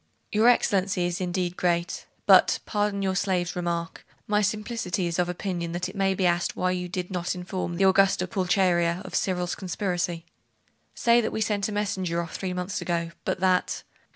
'Your Excellency is indeed great.... but pardon your slave's remark my simplicity is of opinion that it may be asked why you did not inform the Augusta Pulcheria of Cyril's conspiracy?' 'Say that we sent a messenger off three months ago, but that....